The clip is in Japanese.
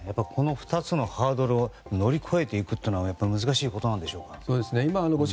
この２つのハードルを乗り越えていくというのは難しいことなんでしょうか。